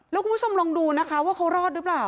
แล้วคุณผู้ชมลองดูนะคะว่าเขารอดหรือเปล่า